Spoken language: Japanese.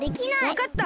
わかった！